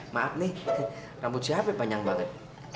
maaf nih rambut siap ya banyak banget